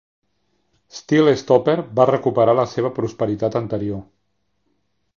Steal Stopper va recuperar la seva prosperitat anterior.